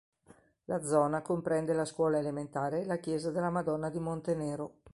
La zona comprende la scuola elementare e la chiesa della Madonna di Montenero.